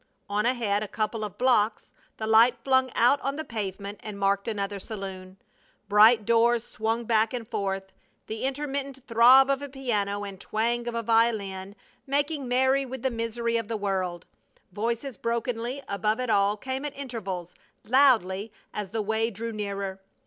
On ahead a couple of blocks the light flung out on the pavement and marked another saloon. Bright doors swung back and forth. The intermittent throb of a piano and twang of a violin, making merry with the misery of the world; voices brokenly above it all came at intervals, loudly as the way drew nearer.